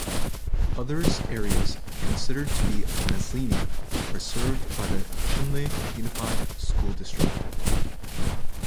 Others areas considered to be "Nazlini" are served by the Chinle Unified School District.